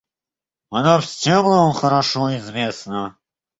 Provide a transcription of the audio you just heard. Она всем нам хорошо известна.